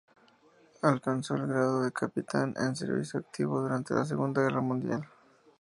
Alcanzó el grado de Capitán en servicio activo durante la Segunda Guerra Mundial.